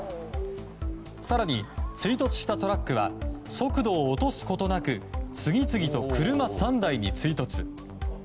更に追突したトラックは速度を落とすことなく次々と車３台に追突。